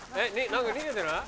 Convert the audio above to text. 何か逃げてない？